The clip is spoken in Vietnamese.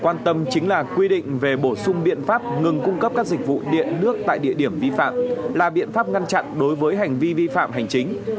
quan tâm chính là quy định về bổ sung biện pháp ngừng cung cấp các dịch vụ điện nước tại địa điểm vi phạm là biện pháp ngăn chặn đối với hành vi vi phạm hành chính